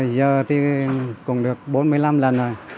giờ thì cũng được bốn mươi năm lần rồi